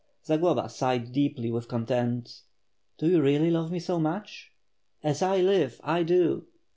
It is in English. Zagloba sighed deeply with content. "Do you really love me so much?" "As I live, I do."